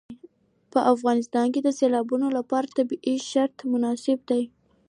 په افغانستان کې د سیلابونو لپاره طبیعي شرایط مناسب دي.